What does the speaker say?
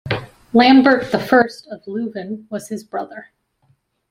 Lambert I of Leuven was his brother.